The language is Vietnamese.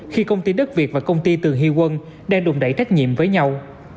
khi công ty đất việt và công ty tường huy quân đang đùn đẩy trách nhiệm với nhau